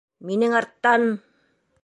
Минең арттан!